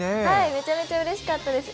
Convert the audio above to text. めちゃめちゃうれしかったです。